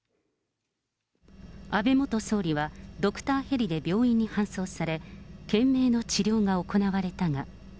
安倍元総理はドクターヘリで病院に搬送され、懸命の治療が行われたが。